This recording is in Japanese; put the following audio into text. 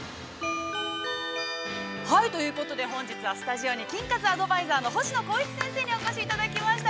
◆ということで、本日はスタジオに、筋活アドバイザーの星野光一先生にお越しいただきました。